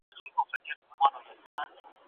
تاسې باید د نورو نظریاتو ارزونه وکړئ.